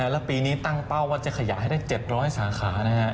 แล้วปีนี้ตั้งเป้าว่าจะขยายให้ได้๗๐๐สาขานะฮะ